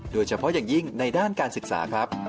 โดยเฉพาะอย่างยิ่งในด้านการศึกษาครับ